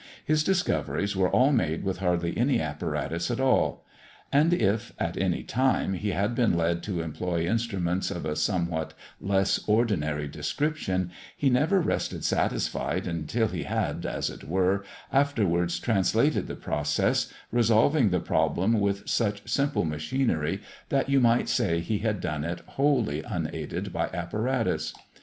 His discoveries were all made with hardly any apparatus at all; and if, at any time, he had been led to employ instruments of a somewhat less ordinary description, he never rested satisfied until he had, as it were, afterwards translated the process, resolving the problem with such simple machinery, that you might say he had done it wholly unaided by apparatus.